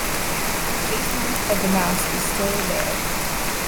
The basement of the mast is still there.